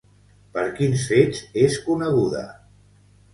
Per quins fets és coneguda?